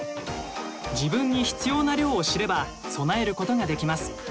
自分に必要な量を知れば備えることができます。